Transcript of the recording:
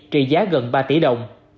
trị giá gần ba tỷ đồng